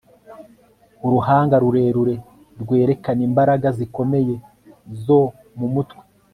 Uruhanga rurerure rwerekana imbaraga zikomeye zo mumutwe